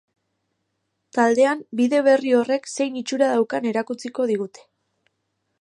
Taldean bide berri horrek zein itxura daukan erakutsiko digute.